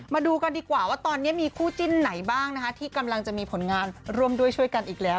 มาดูกันดีกว่าว่าตอนนี้มีคู่จิ้นไหนบ้างนะคะที่กำลังจะมีผลงานร่วมด้วยช่วยกันอีกแล้ว